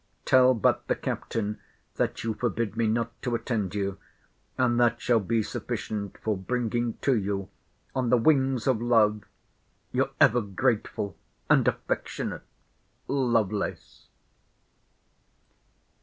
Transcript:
Tell but the Captain, that you forbid me not to attend you: and that shall be sufficient for bringing to you, on the wings of love, Your ever grateful and affectionate LOVELACE.